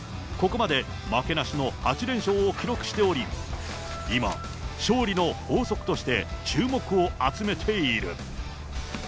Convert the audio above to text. ここまで負けなしの８連勝を記録しており、今、勝利の法則として、注目を集めている。